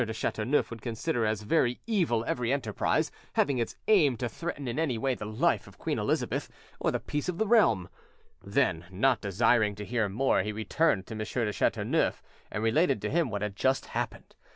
de Chateauneuf would consider as very evil every enterprise having as its aim to threaten in any way the life of Queen Elizabeth or the peace of the realm; then, not desiring to hear more, he returned to M. de Chateauneuf and related to him what had just happened.